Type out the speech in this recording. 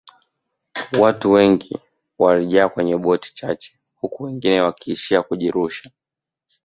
watu wengi walijaa kwenye boti chache huku wengine wakiishia kujirusha